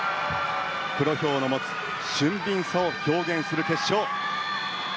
黒豹の持つ俊敏さを表現する決勝。